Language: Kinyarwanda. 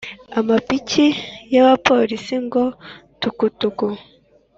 amapikipiki y’abapolisi ngo tukutuku